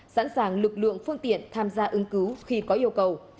sẵn sàng lực lượng phương tiện tham gia ứng cứu khi có yêu cầu